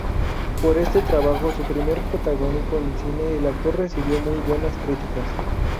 Por este trabajo, su primer protagónico en cine, el actor recibió muy buenas críticas.